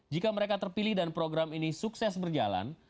jika mereka terpilih dan program ini sukses berjalan